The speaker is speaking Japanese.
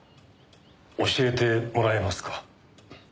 教えてもらえますか？